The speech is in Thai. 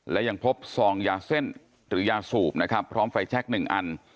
และยังพบซองยาเส้นหรือยาสูบนะครับพร้อมไฟแชค๑อัน